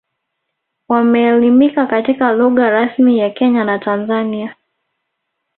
Wameelimika katika lugha rasmi za Kenya na Tanzania